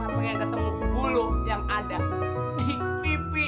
pengen ketemu bulu yang ada di pipi